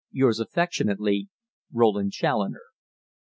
"Yours affectionately, "ROLAND CHALLONER."